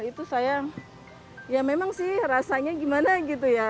itu saya ya memang sih rasanya gimana gitu ya